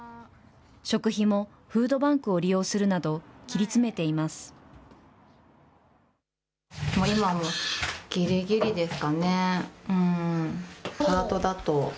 食費もフードバンクを利用するなど切り詰めています。